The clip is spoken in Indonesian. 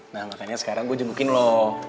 nah makanya sekarang gue jemputin lo